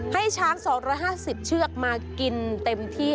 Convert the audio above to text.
ให้ช้าง๒๕๐เชือกมากินเต็มที่